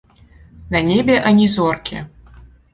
На небе ані зоркі.